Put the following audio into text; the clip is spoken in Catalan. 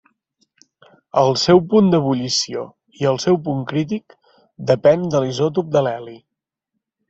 El seu punt d'ebullició i el seu punt crític depèn de l’isòtop de l’heli.